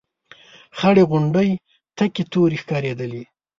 خړې غونډۍ تکې تورې ښکارېدلې.